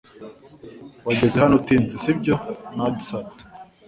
Wageze hano utinze, si byo? (nadsat)